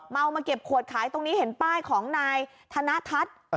มาเก็บขวดขายตรงนี้เห็นป้ายของนายธนทัศน์